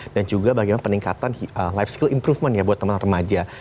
dan juga bagaimana peningkatan life skill improvement ya buat teman teman remaja